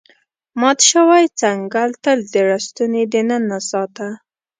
مات شوی څنګل تل د لستوڼي دننه ساته.